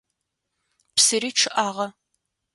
Псыри чъыӏагъэ.